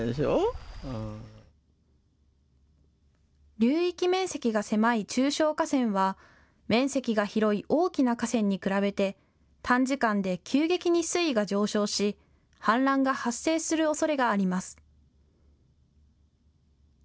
流域面積が狭い中小河川は面積が広い大きな河川に比べて短時間で急激に水位が上昇し氾濫が発生するおそれがあります。